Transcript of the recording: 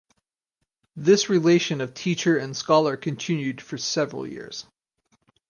This relation of teacher and scholar continued for several years.